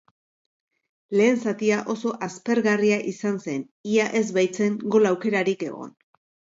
Lehen zatia oso aspergarria izan zen ia ez baitzen gol aukerarik egon.